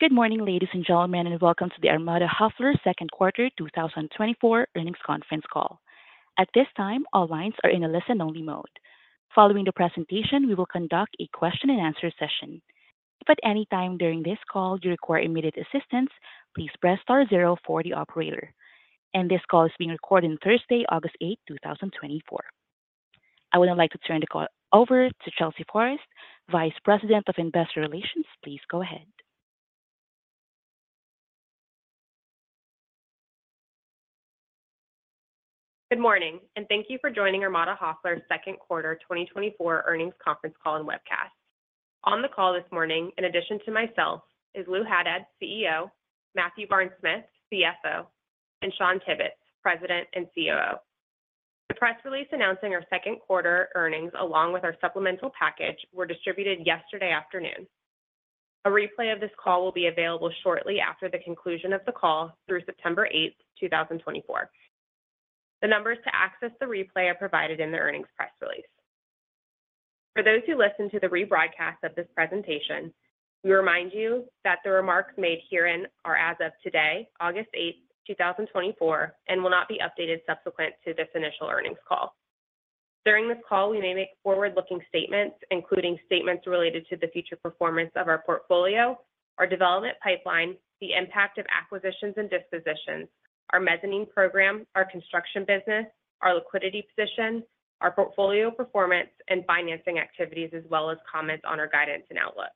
Good morning, ladies and gentlemen, and welcome to the Armada Hoffler Second Quarter 2024 earnings conference call. At this time, all lines are in a listen-only mode. Following the presentation, we will conduct a question-and-answer session. If at any time during this call you require immediate assistance, please press star zero for the operator. This call is being recorded on Thursday, August 8, 2024. I would like to turn the call over to Chelsea Forrest, Vice President of Investor Relations. Please go ahead. Good morning, and thank you for joining Armada Hoffler Second Quarter 2024 earnings conference call and webcast. On the call this morning, in addition to myself, is Lou Haddad, CEO, Matthew Barnes-Smith, CFO, and Shawn Tibbetts, President and COO. The press release announcing our second quarter earnings, along with our supplemental package, were distributed yesterday afternoon. A replay of this call will be available shortly after the conclusion of the call through September 8, 2024. The numbers to access the replay are provided in the earnings press release. For those who listen to the rebroadcast of this presentation, we remind you that the remarks made herein are, as of today, August 8, 2024, and will not be updated subsequent to this initial earnings call. During this call, we may make forward-looking statements, including statements related to the future performance of our portfolio, our development pipeline, the impact of acquisitions and dispositions, our mezzanine program, our construction business, our liquidity position, our portfolio performance, and financing activities, as well as comments on our guidance and outlook.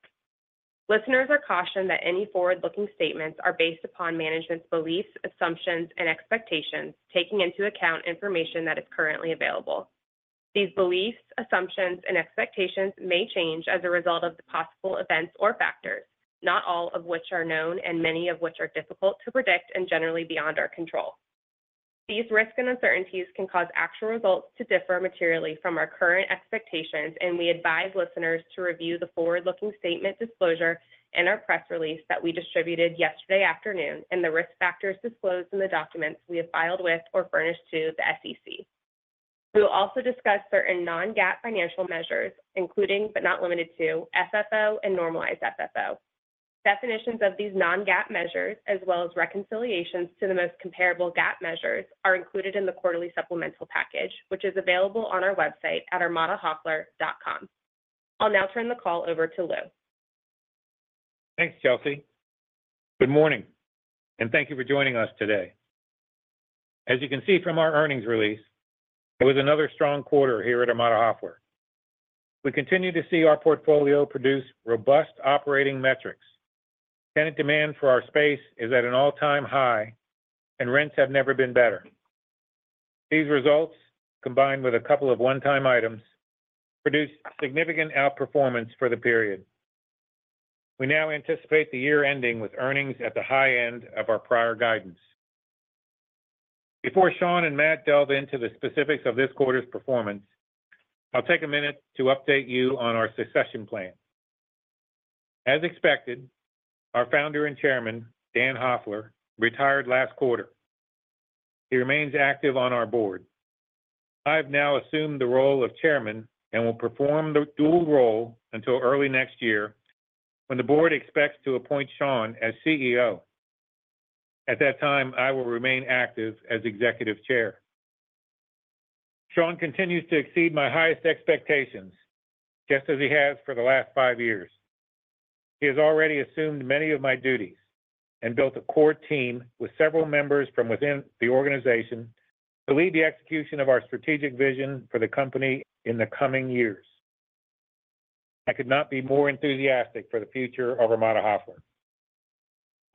Listeners are cautioned that any forward-looking statements are based upon management's beliefs, assumptions, and expectations, taking into account information that is currently available. These beliefs, assumptions, and expectations may change as a result of the possible events or factors, not all of which are known and many of which are difficult to predict and generally beyond our control. These risks and uncertainties can cause actual results to differ materially from our current expectations, and we advise listeners to review the forward-looking statement disclosure and our press release that we distributed yesterday afternoon and the risk factors disclosed in the documents we have filed with or furnished to the SEC. We will also discuss certain non-GAAP financial measures, including but not limited to FFO and Normalized FFO. Definitions of these non-GAAP measures, as well as reconciliations to the most comparable GAAP measures, are included in the quarterly supplemental package, which is available on our website at armadahoffler.com. I'll now turn the call over to Lou. Thanks, Chelsea. Good morning, and thank you for joining us today. As you can see from our earnings release, it was another strong quarter here at Armada Hoffler. We continue to see our portfolio produce robust operating metrics. Tenant demand for our space is at an all-time high, and rents have never been better. These results, combined with a couple of one-time items, produce significant outperformance for the period. We now anticipate the year ending with earnings at the high end of our prior guidance. Before Shawn and Matt delve into the specifics of this quarter's performance, I'll take a minute to update you on our succession plan. As expected, our founder and chairman, Dan Hoffler, retired last quarter. He remains active on our board. I have now assumed the role of chairman and will perform the dual role until early next year when the board expects to appoint Shawn as CEO. At that time, I will remain active as executive chair. Shawn continues to exceed my highest expectations, just as he has for the last five years. He has already assumed many of my duties and built a core team with several members from within the organization to lead the execution of our strategic vision for the company in the coming years. I could not be more enthusiastic for the future of Armada Hoffler.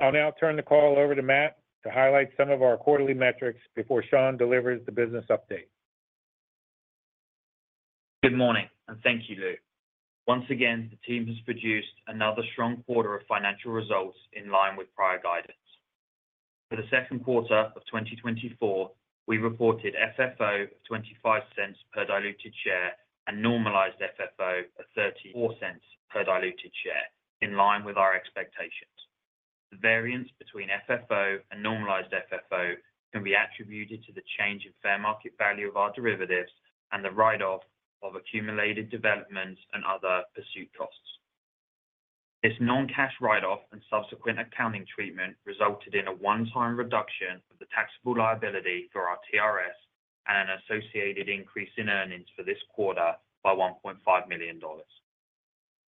I'll now turn the call over to Matt to highlight some of our quarterly metrics before Shawn delivers the business update. Good morning, and thank you, Lou. Once again, the team has produced another strong quarter of financial results in line with prior guidance. For the second quarter of 2024, we reported FFO of $0.25 per diluted share and Normalized FFO of $0.34 per diluted share, in line with our expectations. The variance between FFO and Normalized FFO can be attributed to the change in fair market value of our derivatives and the write-off of accumulated development and other pursuit costs. This non-cash write-off and subsequent accounting treatment resulted in a one-time reduction of the taxable liability for our TRS and an associated increase in earnings for this quarter by $1.5 million.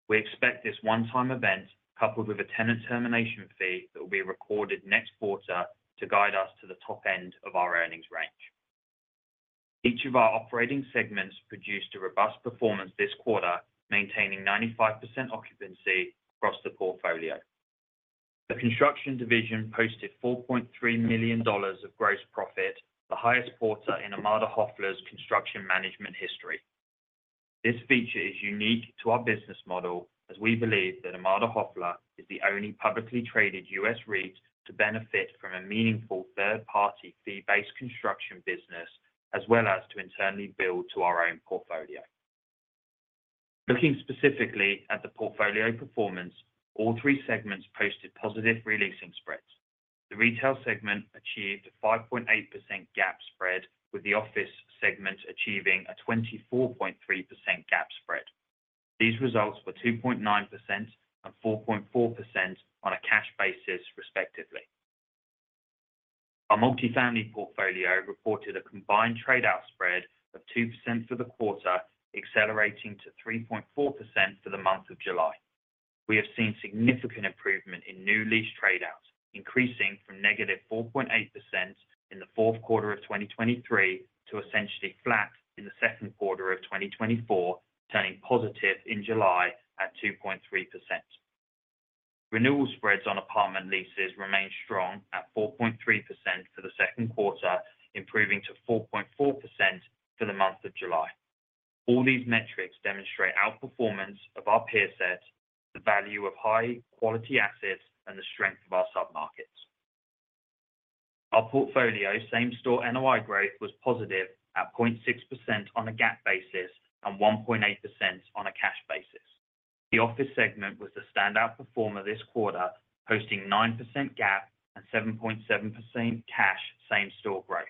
We expect this one-time event, coupled with a tenant termination fee, that will be recorded next quarter to guide us to the top end of our earnings range. Each of our operating segments produced a robust performance this quarter, maintaining 95% occupancy across the portfolio. The construction division posted $4.3 million of gross profit, the highest quarter in Armada Hoffler's construction management history. This feature is unique to our business model, as we believe that Armada Hoffler is the only publicly traded U.S. REIT to benefit from a meaningful third-party fee-based construction business, as well as to internally build to our own portfolio. Looking specifically at the portfolio performance, all three segments posted positive releasing spreads. The retail segment achieved a 5.8% GAAP spread, with the office segment achieving a 24.3% GAAP spread. These results were 2.9% and 4.4% on a cash basis, respectively. Our multifamily portfolio reported a combined tradeout spread of 2% for the quarter, accelerating to 3.4% for the month of July. We have seen significant improvement in new lease tradeouts, increasing from negative 4.8% in the fourth quarter of 2023 to essentially flat in the second quarter of 2024, turning positive in July at 2.3%. Renewal spreads on apartment leases remain strong at 4.3% for the second quarter, improving to 4.4% for the month of July. All these metrics demonstrate outperformance of our peer set, the value of high-quality assets, and the strength of our submarkets. Our portfolio same-store NOI growth was positive at 0.6% on a GAAP basis and 1.8% on a cash basis. The office segment was the standout performer this quarter, posting 9% GAAP and 7.7% cash same-store growth.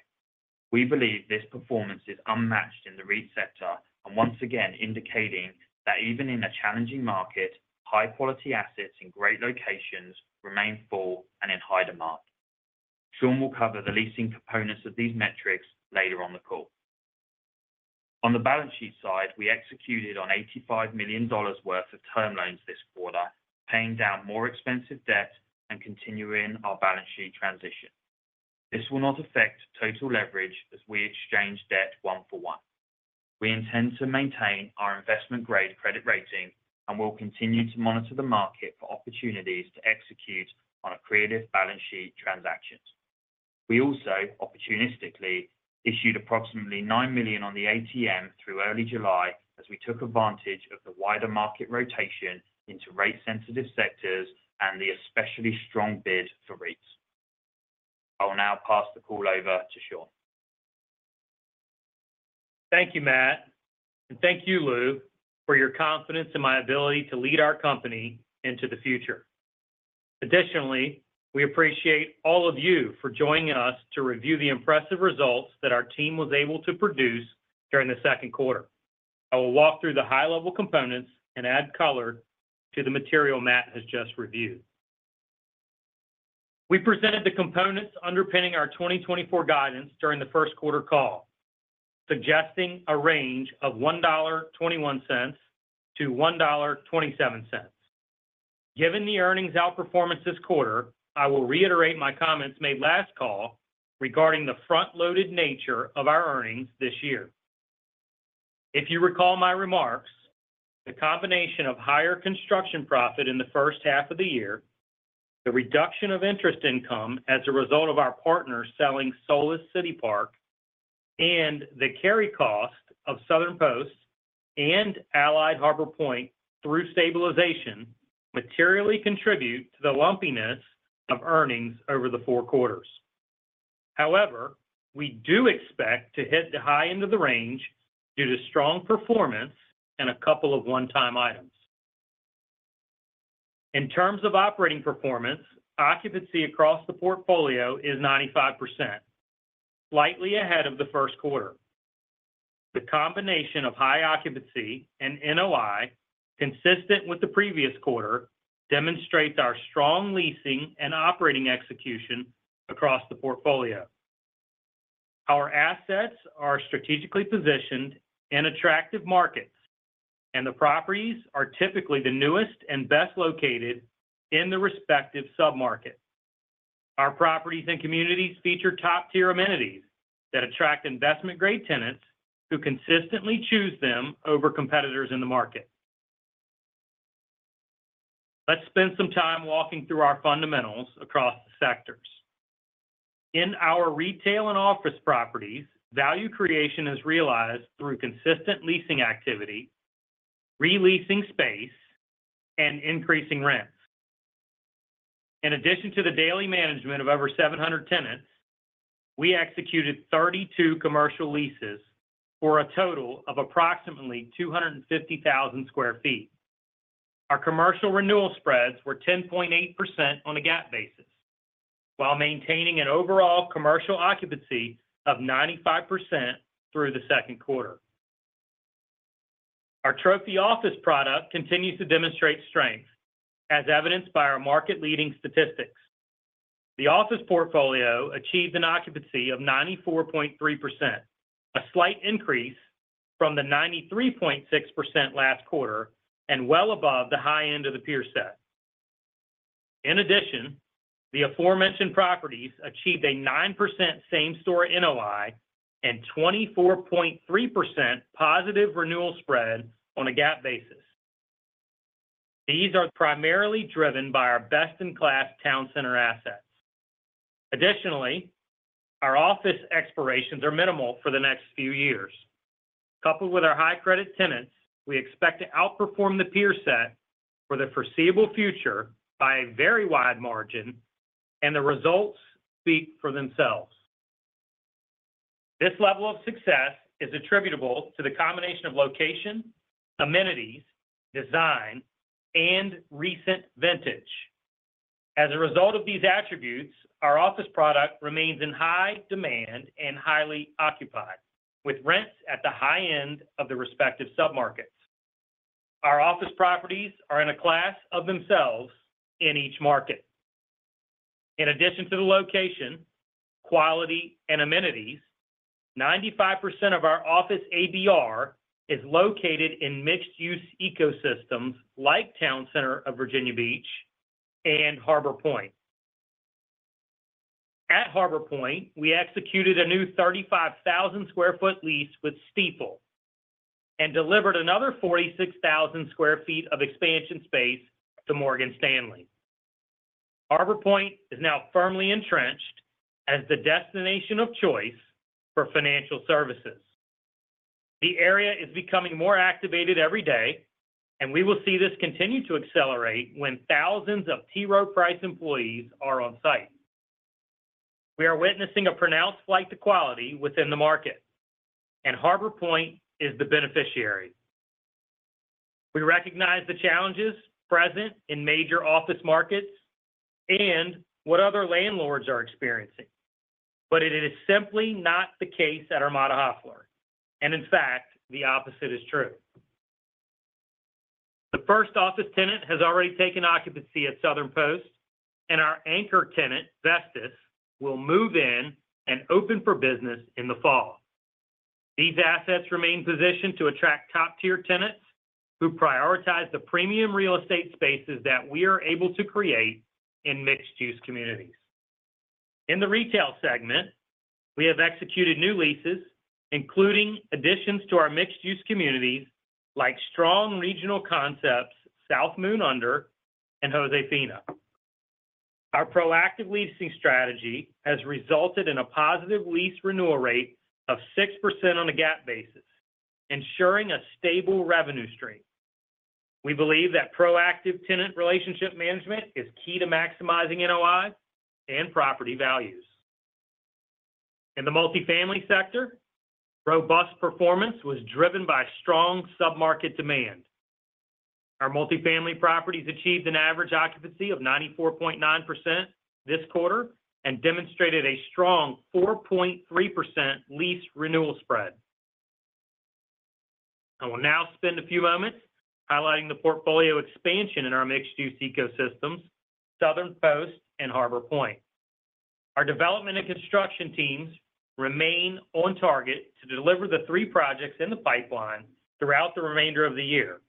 We believe this performance is unmatched in the REIT sector, and once again indicating that even in a challenging market, high-quality assets in great locations remain full and in high demand. Shawn will cover the leasing components of these metrics later on the call. On the balance sheet side, we executed on $85 million worth of term loans this quarter, paying down more expensive debt and continuing our balance sheet transition. This will not affect total leverage as we exchange debt one-for-one. We intend to maintain our investment-grade credit rating and will continue to monitor the market for opportunities to execute on accretive balance sheet transactions. We also, opportunistically, issued approximately $9 million on the ATM through early July as we took advantage of the wider market rotation into rate-sensitive sectors and the especially strong bid for REITs. I'll now pass the call over to Shawn. Thank you, Matt, and thank you, Lou, for your confidence in my ability to lead our company into the future. Additionally, we appreciate all of you for joining us to review the impressive results that our team was able to produce during the second quarter. I will walk through the high-level components and add color to the material Matt has just reviewed. We presented the components underpinning our 2024 guidance during the first quarter call, suggesting a range of $1.21-$1.27. Given the earnings outperformance this quarter, I will reiterate my comments made last call regarding the front-loaded nature of our earnings this year. If you recall my remarks, the combination of higher construction profit in the first half of the year, the reduction of interest income as a result of our partners selling Solis City Park, and the carry cost of Southern Post and Allied Harbor Point through stabilization materially contribute to the lumpiness of earnings over the four quarters. However, we do expect to hit the high end of the range due to strong performance and a couple of one-time items. In terms of operating performance, occupancy across the portfolio is 95%, slightly ahead of the first quarter. The combination of high occupancy and NOI, consistent with the previous quarter, demonstrates our strong leasing and operating execution across the portfolio. Our assets are strategically positioned in attractive markets, and the properties are typically the newest and best located in the respective submarket. Our properties and communities feature top-tier amenities that attract investment-grade tenants who consistently choose them over competitors in the market. Let's spend some time walking through our fundamentals across the sectors. In our retail and office properties, value creation is realized through consistent leasing activity, releasing space, and increasing rents. In addition to the daily management of over 700 tenants, we executed 32 commercial leases for a total of approximately 250,000 sq ft. Our commercial renewal spreads were 10.8% on a GAAP basis, while maintaining an overall commercial occupancy of 95% through the second quarter. Our trophy office product continues to demonstrate strength, as evidenced by our market-leading statistics. The office portfolio achieved an occupancy of 94.3%, a slight increase from the 93.6% last quarter and well above the high end of the peer set. In addition, the aforementioned properties achieved a 9% same-store NOI and 24.3% positive renewal spread on a GAAP basis. These are primarily driven by our best-in-class town center assets. Additionally, our office expirations are minimal for the next few years. Coupled with our high-credit tenants, we expect to outperform the peer set for the foreseeable future by a very wide margin, and the results speak for themselves. This level of success is attributable to the combination of location, amenities, design, and recent vintage. As a result of these attributes, our office product remains in high demand and highly occupied, with rents at the high end of the respective submarkets. Our office properties are in a class of themselves in each market. In addition to the location, quality, and amenities, 95% of our office ABR is located in mixed-use ecosystems like Town Center of Virginia Beach and Harbor Point. At Harbor Point, we executed a new 35,000 sq ft lease with Stifel and delivered another 46,000 sq ft of expansion space to Morgan Stanley. Harbor Point is now firmly entrenched as the destination of choice for financial services. The area is becoming more activated every day, and we will see this continue to accelerate when thousands of T. Rowe Price employees are on site. We are witnessing a pronounced flight to quality within the market, and Harbor Point is the beneficiary. We recognize the challenges present in major office markets and what other landlords are experiencing, but it is simply not the case at Armada Hoffler, and in fact, the opposite is true. The first office tenant has already taken occupancy at Southern Post, and our anchor tenant, Vestas, will move in and open for business in the fall. These assets remain positioned to attract top-tier tenants who prioritize the premium real estate spaces that we are able to create in mixed-use communities. In the retail segment, we have executed new leases, including additions to our mixed-use communities like strong regional concepts, South Moon Under, and Josefina. Our proactive leasing strategy has resulted in a positive lease renewal rate of 6% on a GAAP basis, ensuring a stable revenue stream. We believe that proactive tenant relationship management is key to maximizing NOI and property values. In the multifamily sector, robust performance was driven by strong submarket demand. Our multifamily properties achieved an average occupancy of 94.9% this quarter and demonstrated a strong 4.3% lease renewal spread. I will now spend a few moments highlighting the portfolio expansion in our mixed-use ecosystems, Southern Post and Harbor Point. Our development and construction teams remain on target to deliver the three projects in the pipeline throughout the remainder of the year.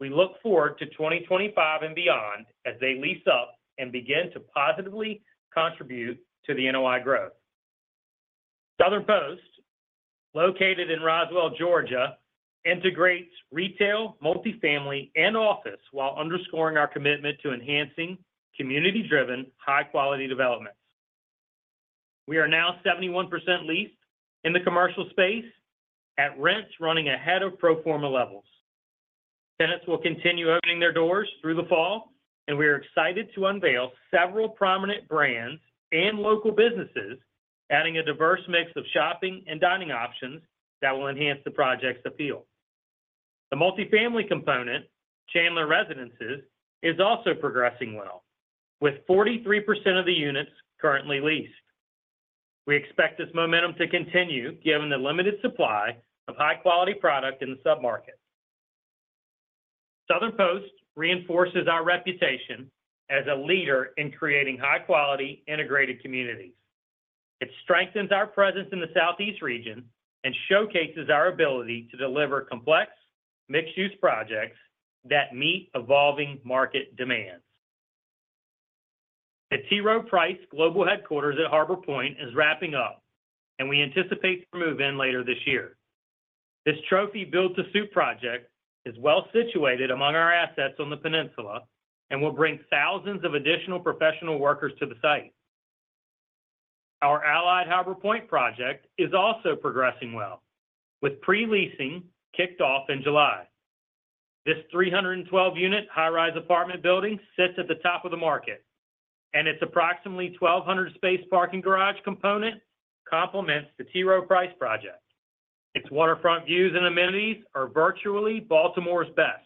We look forward to 2025 and beyond as they lease up and begin to positively contribute to the NOI growth. Southern Post, located in Roswell, Georgia, integrates retail, multifamily, and office while underscoring our commitment to enhancing community-driven, high-quality developments. We are now 71% leased in the commercial space, at rents running ahead of pro forma levels. Tenants will continue opening their doors through the fall, and we are excited to unveil several prominent brands and local businesses, adding a diverse mix of shopping and dining options that will enhance the project's appeal. The multifamily component, Chandler Residences, is also progressing well, with 43% of the units currently leased. We expect this momentum to continue given the limited supply of high-quality product in the submarket. Southern Post reinforces our reputation as a leader in creating high-quality integrated communities. It strengthens our presence in the Southeast region and showcases our ability to deliver complex mixed-use projects that meet evolving market demands. The T. Rowe Price Global Headquarters at Harbor Point is wrapping up, and we anticipate to move in later this year. This trophy build-to-suit project is well situated among our assets on the peninsula and will bring thousands of additional professional workers to the site. Our Allied Harbor Point project is also progressing well, with pre-leasing kicked off in July. This 312-unit high-rise apartment building sits at the top of the market, and its approximately 1,200-space parking garage component complements the T. Rowe Price project. Its waterfront views and amenities are virtually Baltimore's best,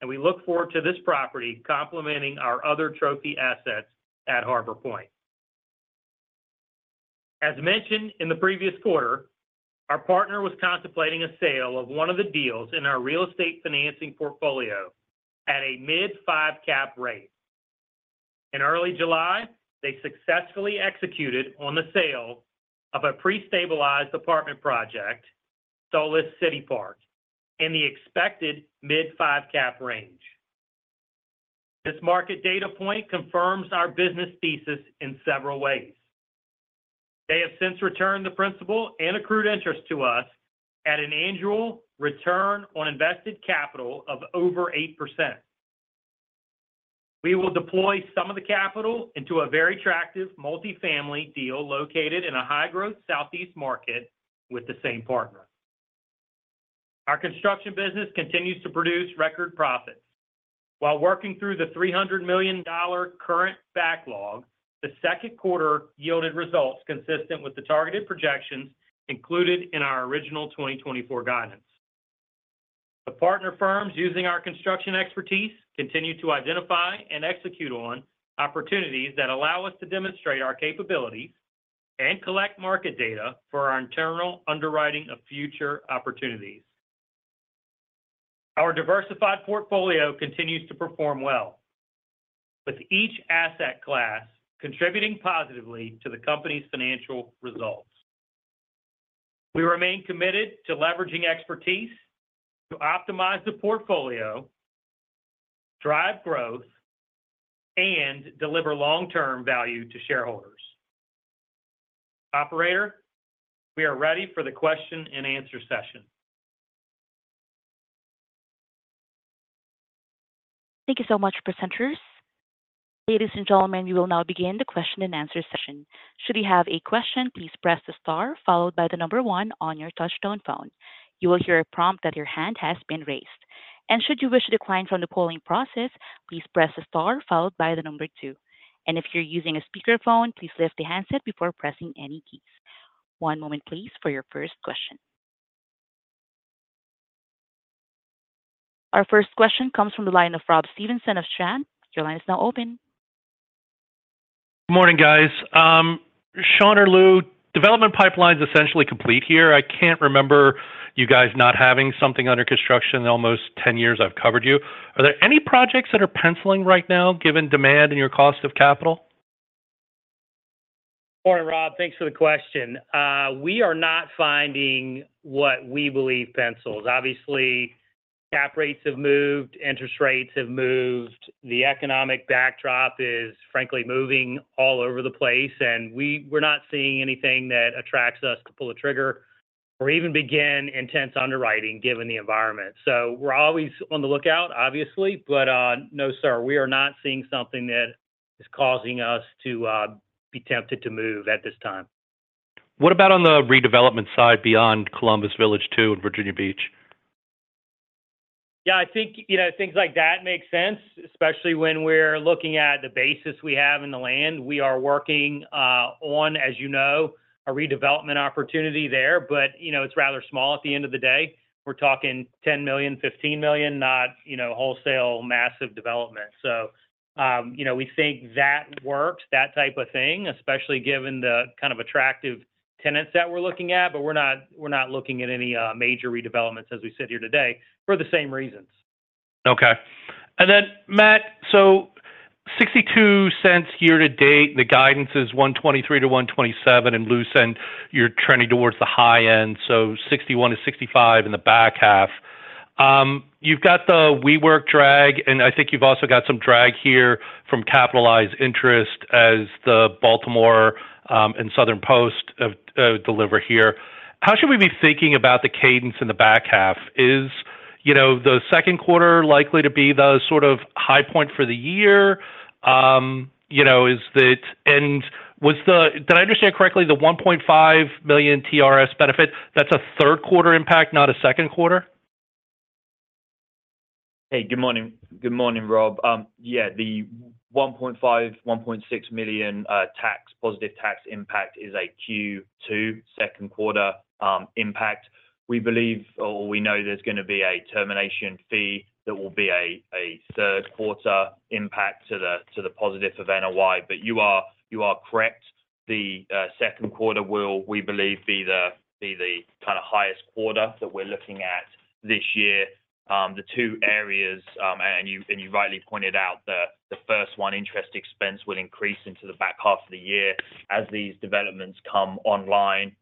and we look forward to this property complementing our other trophy assets at Harbor Point. As mentioned in the previous quarter, our partner was contemplating a sale of one of the deals in our real estate financing portfolio at a mid-five cap rate. In early July, they successfully executed on the sale of a pre-stabilized apartment project, Solis City Park, in the expected mid-five cap range. This market data point confirms our business thesis in several ways. They have since returned the principal and accrued interest to us at an annual return on invested capital of over 8%. We will deploy some of the capital into a very attractive multifamily deal located in a high-growth Southeast market with the same partner. Our construction business continues to produce record profits. While working through the $300 million current backlog, the second quarter yielded results consistent with the targeted projections included in our original 2024 guidance. The partner firms using our construction expertise continue to identify and execute on opportunities that allow us to demonstrate our capabilities and collect market data for our internal underwriting of future opportunities. Our diversified portfolio continues to perform well, with each asset class contributing positively to the company's financial results. We remain committed to leveraging expertise to optimize the portfolio, drive growth, and deliver long-term value to shareholders. Operator, we are ready for the question-and-answer session. Thank you so much, presenters. Ladies and gentlemen, we will now begin the question-and-answer session. Should you have a question, please press the star followed by the number one on your touch-tone phone. You will hear a prompt that your hand has been raised. And should you wish to decline from the polling process, please press the star followed by the number two. And if you're using a speakerphone, please lift the handset before pressing any keys. One moment, please, for your first question. Our first question comes from the line of Rob Stevenson of Janney. Your line is now open. Good morning, guys. Shawn or Lou, development pipeline's essentially complete here. I can't remember you guys not having something under construction in almost 10 years I've covered you. Are there any projects that are penciling right now given demand and your cost of capital? Morning, Rob. Thanks for the question. We are not finding what we believe pencils out. Obviously, cap rates have moved, interest rates have moved, the economic backdrop is, frankly, moving all over the place, and we're not seeing anything that attracts us to pull a trigger or even begin intense underwriting given the environment. So we're always on the lookout, obviously, but no, sir, we are not seeing something that is causing us to be tempted to move at this time. What about on the redevelopment side beyond Columbus Village 2 and Virginia Beach? Yeah, I think things like that make sense, especially when we're looking at the basis we have in the land. We are working on, as you know, a redevelopment opportunity there, but it's rather small at the end of the day. We're talking $10 million, $15 million, not wholesale massive development. So we think that works, that type of thing, especially given the kind of attractive tenants that we're looking at, but we're not looking at any major redevelopments as we sit here today for the same reasons. Okay. And then, Matt, so $0.62 year to date, the guidance is $1.23-$1.27, and, Lou, you're trending towards the high end, so $0.61-$0.65 in the back half. You've got the WeWork drag, and I think you've also got some drag here from capitalized interest as the Baltimore and Southern Post deliver here. How should we be thinking about the cadence in the back half? Is the second quarter likely to be the sort of high point for the year? And did I understand correctly, the $1.5 million TRS benefit, that's a third quarter impact, not a second quarter? Hey, good morning. Good morning, Rob. Yeah, the $1.5-$1.6 million tax positive tax impact is a Q2 second quarter impact. We believe, or we know there's going to be a termination fee that will be a third quarter impact to the positive of NOI, but you are correct. The second quarter will, we believe, be the kind of highest quarter that we're looking at this year. The two areas, and you rightly pointed out, the first one, interest expense will increase into the back half of the year as these developments come online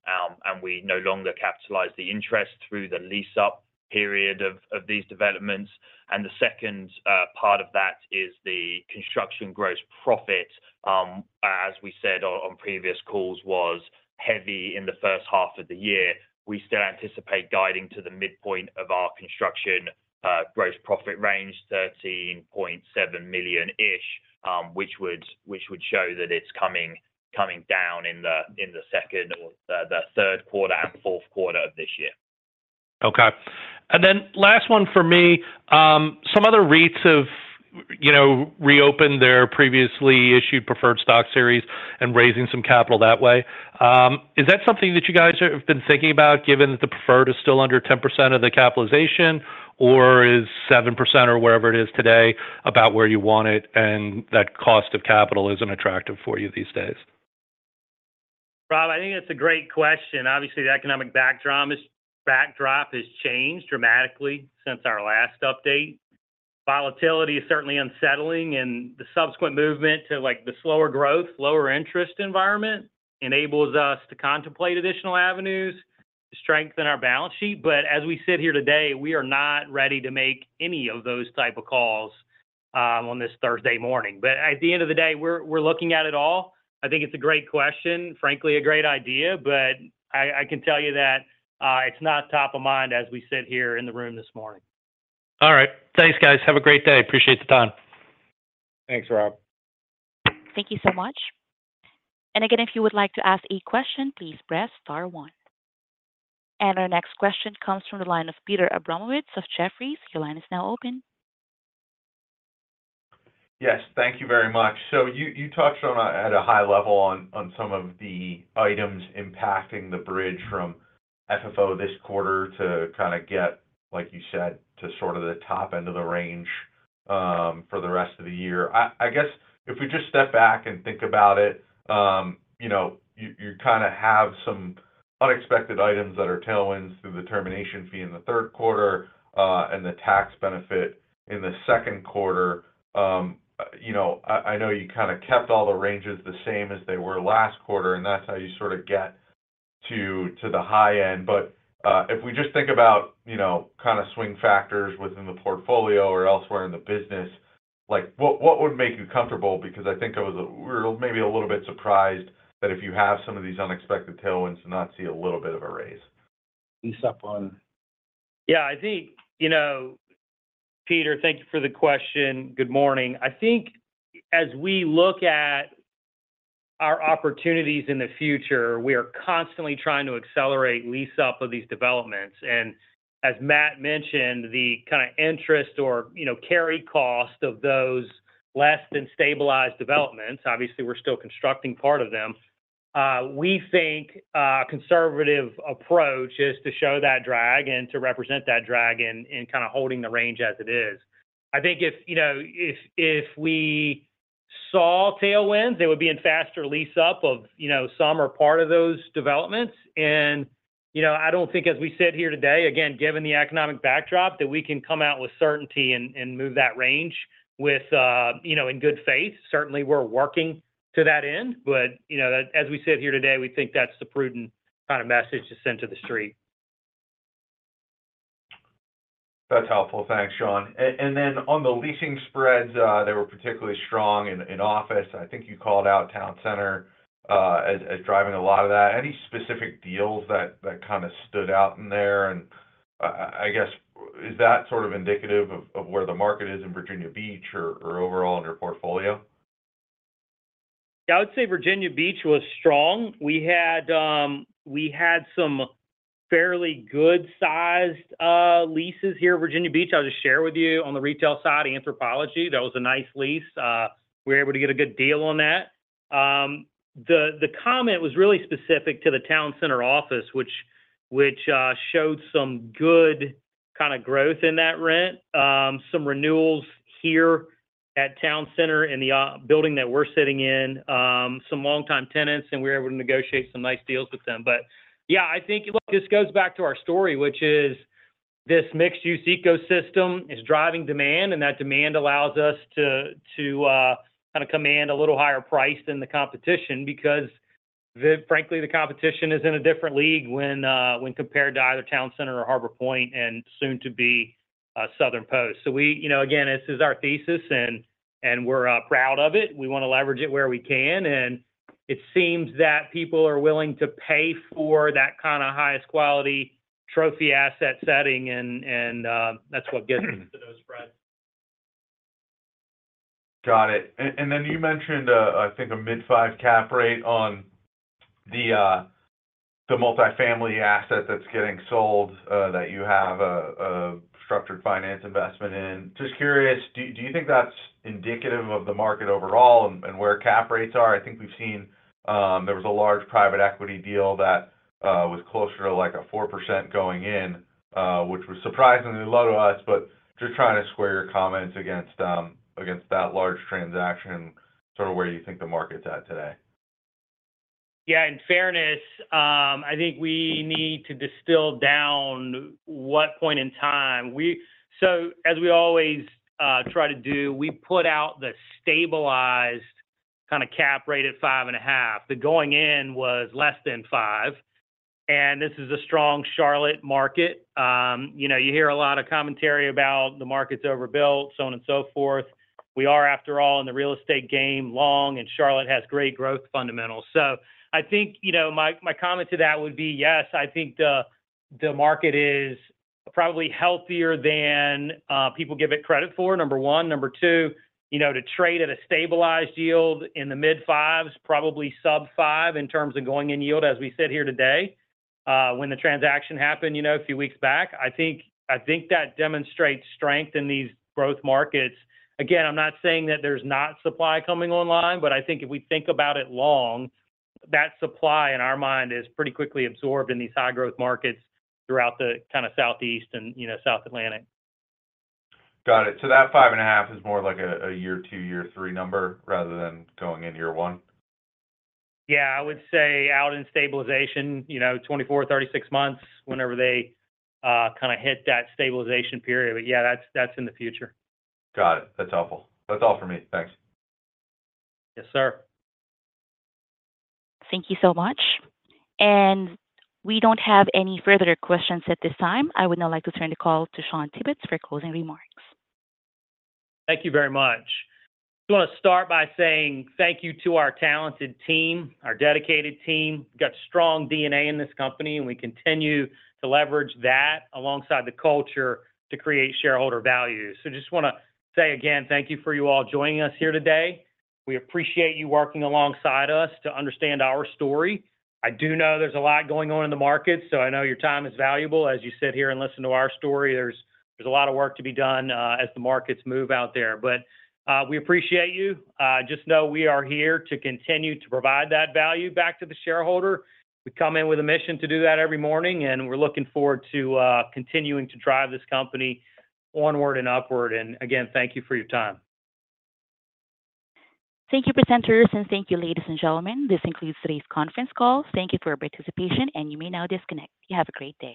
and we no longer capitalize the interest through the lease-up period of these developments. The second part of that is the construction gross profit, as we said on previous calls, was heavy in the first half of the year. We still anticipate guiding to the midpoint of our construction gross profit range, $13.7 million-ish, which would show that it's coming down in the second or the third quarter and fourth quarter of this year. Okay. And then last one for me, some other REITs have reopened their previously issued preferred stock series and raising some capital that way. Is that something that you guys have been thinking about given that the preferred is still under 10% of the capitalization, or is 7% or wherever it is today about where you want it and that cost of capital isn't attractive for you these days? Rob, I think that's a great question. Obviously, the economic backdrop has changed dramatically since our last update. Volatility is certainly unsettling, and the subsequent movement to the slower growth, lower interest environment enables us to contemplate additional avenues to strengthen our balance sheet. But as we sit here today, we are not ready to make any of those type of calls on this Thursday morning. But at the end of the day, we're looking at it all. I think it's a great question, frankly, a great idea, but I can tell you that it's not top of mind as we sit here in the room this morning. All right. Thanks, guys. Have a great day. Appreciate the time. Thanks, Rob. Thank you so much. And again, if you would like to ask a question, please press star one. And our next question comes from the line of Peter Abramowitz of Jefferies. Your line is now open. Yes, thank you very much. So you touched on it at a high level on some of the items impacting the bridge from FFO this quarter to kind of get, like you said, to sort of the top end of the range for the rest of the year. I guess if we just step back and think about it, you kind of have some unexpected items that are tailwinds through the termination fee in the third quarter and the tax benefit in the second quarter. I know you kind of kept all the ranges the same as they were last quarter, and that's how you sort of get to the high end. But if we just think about kind of swing factors within the portfolio or elsewhere in the business, what would make you comfortable? Because I think we're maybe a little bit surprised that if you have some of these unexpected tailwinds to not see a little bit of a raise. Lease-up on. Yeah, I think, Peter, thank you for the question. Good morning. I think as we look at our opportunities in the future, we are constantly trying to accelerate lease-up of these developments. And as Matt mentioned, the kind of interest or carry cost of those less-than-stabilized developments, obviously, we're still constructing part of them. We think a conservative approach is to show that drag and to represent that drag in kind of holding the range as it is. I think if we saw tailwinds, it would be in faster lease-up of some or part of those developments. And I don't think, as we sit here today, again, given the economic backdrop, that we can come out with certainty and move that range in good faith. Certainly, we're working to that end, but as we sit here today, we think that's the prudent kind of message to send to the street. That's helpful. Thanks, Shawn. And then on the leasing spreads, they were particularly strong in office. I think you called out Town Center as driving a lot of that. Any specific deals that kind of stood out in there? And I guess, is that sort of indicative of where the market is in Virginia Beach or overall in your portfolio? Yeah, I would say Virginia Beach was strong. We had some fairly good-sized leases here in Virginia Beach. I'll just share with you on the retail side, Anthropologie, that was a nice lease. We were able to get a good deal on that. The comment was really specific to the Town Center office, which showed some good kind of growth in that rent, some renewals here at Town Center in the building that we're sitting in, some long-time tenants, and we were able to negotiate some nice deals with them. But yeah, I think this goes back to our story, which is this mixed-use ecosystem is driving demand, and that demand allows us to kind of command a little higher price than the competition because, frankly, the competition is in a different league when compared to either Town Center or Harbor Point and soon-to-be Southern Post. So again, this is our thesis, and we're proud of it. We want to leverage it where we can. It seems that people are willing to pay for that kind of highest-quality trophy asset setting, and that's what gets into those spreads. Got it. And then you mentioned, I think, a mid-5% cap rate on the multifamily asset that's getting sold that you have a structured finance investment in. Just curious, do you think that's indicative of the market overall and where cap rates are? I think we've seen there was a large private equity deal that was closer to like a 4% going in, which was surprisingly low to us, but just trying to square your comments against that large transaction, sort of where you think the market's at today. Yeah, in fairness, I think we need to distill down what point in time. So as we always try to do, we put out the stabilized kind of cap rate at five point five. The going in was less than five. And this is a strong Charlotte market. You hear a lot of commentary about the market's overbuilt, so on and so forth. We are, after all, in the real estate game long, and Charlotte has great growth fundamentals. So I think my comment to that would be, yes, I think the market is probably healthier than people give it credit for, number one. Number two, to trade at a stabilized yield in the mid-five's, probably sub-five in terms of going in yield as we sit here today when the transaction happened a few weeks back. I think that demonstrates strength in these growth markets. Again, I'm not saying that there's not supply coming online, but I think if we think about it long, that supply in our mind is pretty quickly absorbed in these high-growth markets throughout the kind of Southeast and South Atlantic. Got it. So that five point five is more like a year two, year three number rather than going in year one? Yeah, I would say out in stabilization, 24-36 months whenever they kind of hit that stabilization period. But yeah, that's in the future. Got it. That's helpful. That's all for me. Thanks. Yes, sir. Thank you so much. We don't have any further questions at this time. I would now like to turn the call to Shawn Tibbetts for closing remarks. Thank you very much. I want to start by saying thank you to our talented team, our dedicated team. We've got strong DNA in this company, and we continue to leverage that alongside the culture to create shareholder value. So just want to say again, thank you for you all joining us here today. We appreciate you working alongside us to understand our story. I do know there's a lot going on in the markets, so I know your time is valuable. As you sit here and listen to our story, there's a lot of work to be done as the markets move out there. But we appreciate you. Just know we are here to continue to provide that value back to the shareholder. We come in with a mission to do that every morning, and we're looking forward to continuing to drive this company onward and upward. Again, thank you for your time. Thank you, presenters, and thank you, ladies and gentlemen. This concludes today's conference call. Thank you for your participation, and you may now disconnect. You have a great day.